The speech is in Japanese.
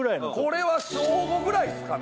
これは小５ぐらいっすかね